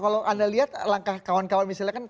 kalau anda lihat langkah kawan kawan misalnya kan